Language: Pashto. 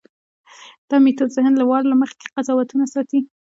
دا میتود ذهن له وار له مخکې قضاوتونو ساتي.